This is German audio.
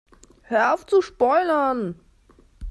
Hör auf zu spoilern!